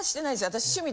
私。